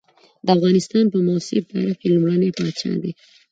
د افغانستان په معاصر تاریخ کې لومړنی پاچا دی.